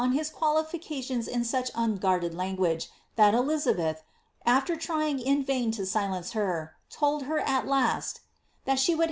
OB his qualificadons in tmch ODguarded Uoguage th«t Elizabeth, after trying in Yain to silence her, told her at last, ^^ that she would ha?